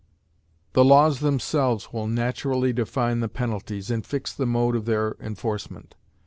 The laws themselves will naturally define the penalties, and fix the mode of their enforcement.